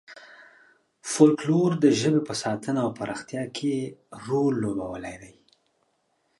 فولکلور د ژبې په ساتنه او پراختیا کې رول لوبولی دی.